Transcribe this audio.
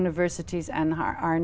nó rất đẹp